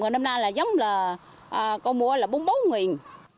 năm nay là gió giống là bốn mươi bốn nghìn